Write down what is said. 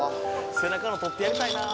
背中の取ってやりたいなぁ。